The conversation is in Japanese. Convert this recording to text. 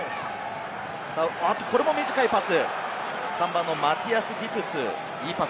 これも短いパス。